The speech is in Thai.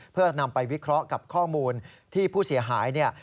เพื่อนำไปวิเคราะห์กับข้อมูลที่ผู้เสียหายเนี่ย